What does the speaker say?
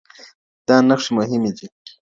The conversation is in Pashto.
دا نخښي مهمي دي.